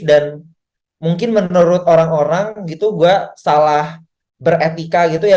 dan mungkin menurut orang orang gitu gue salah beretika gitu ya